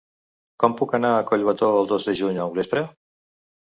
Com puc anar a Collbató el dos de juny al vespre?